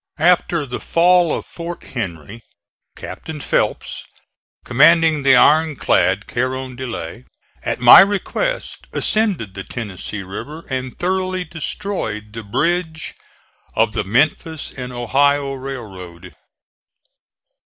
After the fall of Fort Henry Captain Phelps, commanding the iron clad Carondelet, at my request ascended the Tennessee River and thoroughly destroyed the bridge of the Memphis and Ohio Railroad.